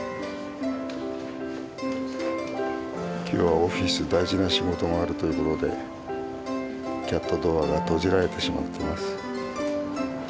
今日はオフィス大事な仕事があるということでキャットドアが閉じられてしまってます。